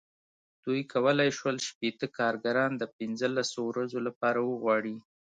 دوی کولای شول شپېته کارګران د پنځلسو ورځو لپاره وغواړي.